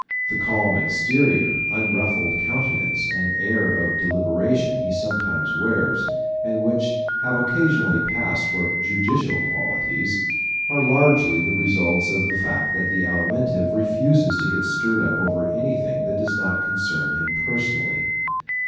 The calm exterior, unruffled countenance and air of deliberation he sometimes wears, and which have occasionally passed for "judicial" qualities, are largely the results of the fact that the Alimentive refuses to get stirred up over anything that does not concern him personally.